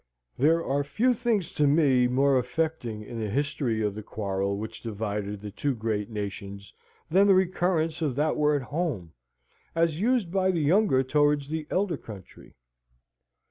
There are few things to me more affecting in the history of the quarrel which divided the two great nations than the recurrence of that word Home, as used by the younger towards the elder country.